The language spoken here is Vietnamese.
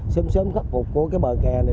sớm sớm khắc phục của bờ kè này